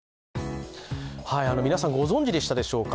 皆さん、ご存じでしたでしょうか。